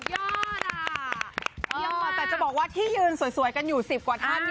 ยอดแต่จะบอกว่าที่ยืนสวยกันอยู่๑๐กว่าท่าน